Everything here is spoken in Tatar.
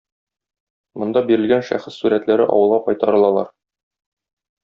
Монда бирелгән шәхес сурәтләре авылга кайтарылалар.